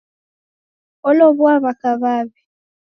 Olowua waka wawi.